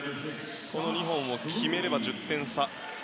この２本を決めれば１０点差。